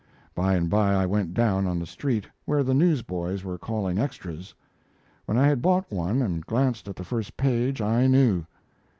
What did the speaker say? By and by I went down on the street, where the newsboys were calling extras. When I had bought one, and glanced at the first page, I knew.